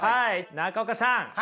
中岡さん